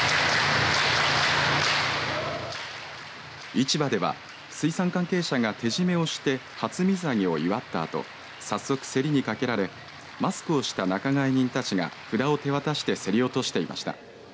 市場では水産関係者が手締めをして初水揚げを祝ったあと早速、競りにかけられマスクをした仲買人たちが札を手渡して競り落としていました。